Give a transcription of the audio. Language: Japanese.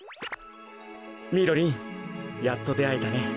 みろりんやっとであえたね。